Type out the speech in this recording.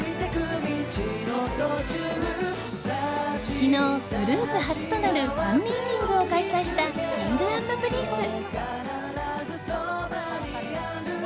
昨日、グループ初となるファンミーティングを開催したＫｉｎｇ＆Ｐｒｉｎｃｅ。